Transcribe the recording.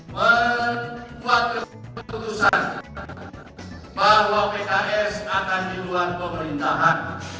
membuat keputusan bahwa pks akan diluar pemerintahan